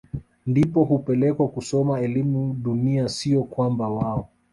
ndipo hupelekwa kusoma elimu dunia siyo kwamba wao